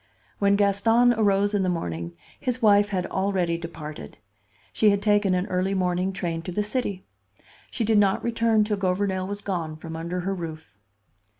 When Gaston arose in the morning, his wife had already departed. She had taken an early morning train to the city. She did not return till Gouvernail was gone from under her roof.